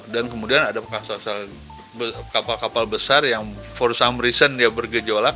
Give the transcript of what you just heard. dan kemudian ada kapal kapal besar yang for some reason dia bergejolak